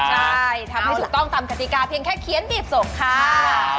ใช่ทำให้ถูกต้องตามกติกาเพียงแค่เขียนบีบส่งค่ะ